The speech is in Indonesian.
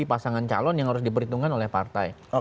pasangan calon yang harus diperhitungkan oleh partai